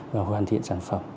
và hoàn thiện sản phẩm